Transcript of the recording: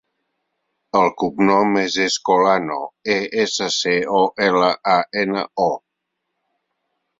El cognom és Escolano: e, essa, ce, o, ela, a, ena, o.